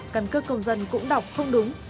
căn cước công dân cũng đọc không đúng